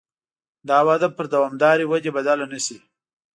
دا وده پر دوامدارې ودې بدله نه شي.